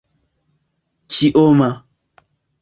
kioma